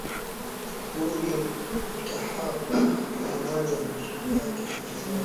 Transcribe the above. ruge mutahabwa mariam hamdani na ananilea ikya